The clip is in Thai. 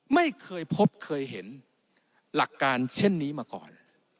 ไม่เคยพบเคยเห็นหลักการเช่นนี้มาก่อน